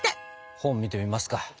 本見てみますか。